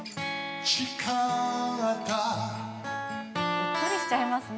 うっとりしちゃいますね。